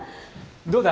どうだ？